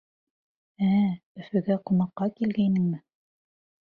— Ә-ә, Өфөгә ҡунаҡҡа килгәйнеңме?